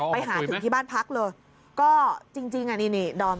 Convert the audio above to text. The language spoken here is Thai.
ไปหาถึงที่บ้านพักเลยก็จริงอ่ะนี่นี่ดอม